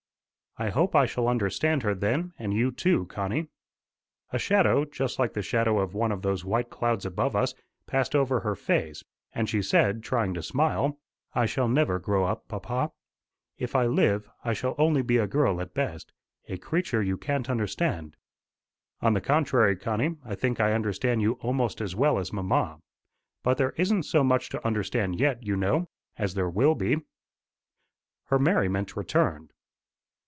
"I hope I shall understand her then, and you too, Connie." A shadow, just like the shadow of one of those white clouds above us, passed over her face, and she said, trying to smile: "I shall never grow up, papa. If I live, I shall only be a girl at best a creature you can't understand." "On the contrary, Connie, I think I understand you almost as well as mamma. But there isn't so much to understand yet, you know, as there will be." Her merriment returned.